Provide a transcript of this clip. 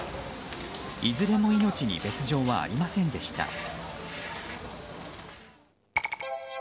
いずれも命に別条はありませんでした。